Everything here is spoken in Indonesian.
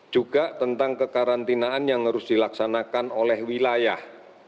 juga tentang kekarantinaan yang harus dilaksanakan oleh wilayah